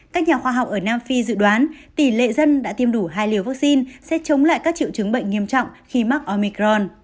các nhà khoa học ở nam phi dự đoán tỷ lệ dân đã tiêm đủ hai liều vaccine sẽ chống lại các triệu chứng bệnh nghiêm trọng khi mắc omicron